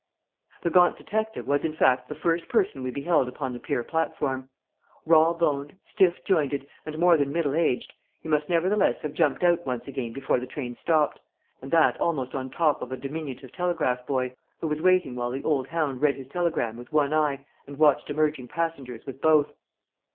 The gaunt detective was in fact the first person we beheld upon the pier platform; raw boned, stiff jointed, and more than middle aged, he must nevertheless have jumped out once again before the train stopped, and that almost on top of a diminutive telegraph boy, who was waiting while the old hound read his telegram with one eye and watched emerging passengers with both.